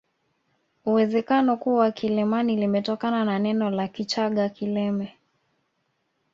Uwezekano kuwa Kilemani limetokana na neno la Kichaga kileme